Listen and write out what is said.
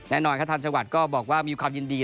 แน่นอนครับทางจังหวัดก็บอกว่ามีความยินดี